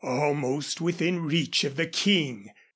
Almost within reach of the King!